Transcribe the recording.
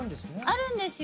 あるんですよ。